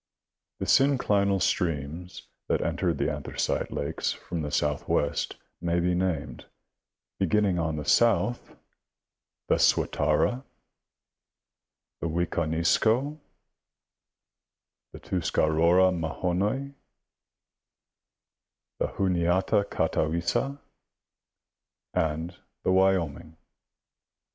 The synclinal streams that entered the Anthracite lakes from the southwest may be named, beginning on the south, the Swatara, S, fig, 21, the Wiconisco, Wo, the Tus carora Mahanoy, M, the Juniata Catawissa, C, and the Wyoming, Wy.